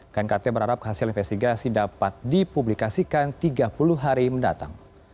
knkt berharap hasil investigasi dapat dipublikasikan tiga puluh hari mendatang